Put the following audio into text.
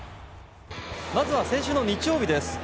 まずは先週の日曜日です。